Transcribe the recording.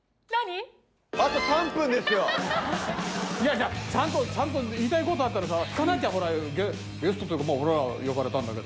じゃちゃんと言いたいことあったらさ聞かなきゃほらゲストというか俺ら呼ばれたんだけど。